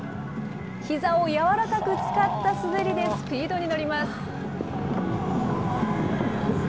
ひざを柔らかく使った滑りでスピードに乗ります。